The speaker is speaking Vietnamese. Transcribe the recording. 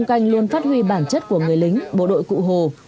canh luôn phát huy bản chất của người lính bộ đội cụ hồ